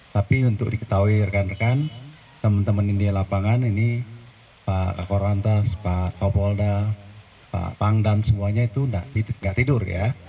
tapi untuk diketahui rekan rekan teman teman india lapangan ini pak korlantas pak kapolda pak pangdam semuanya itu tidak tidur ya